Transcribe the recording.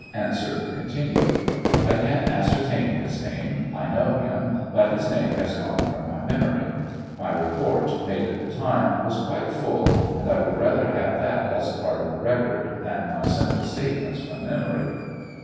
] A. (Continued.) I can ascertain his name ; I know him, but his name has gone from my memory; my report, made at the time, was quite full, and I would rather have that as a part of the record than my simple statements from memory.